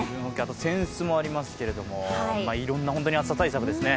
扇子もありますけれども、いろんな暑さ対策ですね。